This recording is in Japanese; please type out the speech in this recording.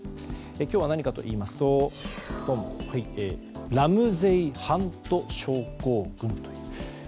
今日は何かといいますとラムゼイ・ハント症候群と。